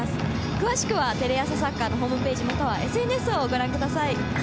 詳しくはテレ朝サッカーのホームページまたはＳＮＳをご覧ください。